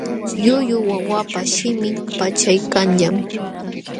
Llullu wawapa shimin paćhyaykanñam.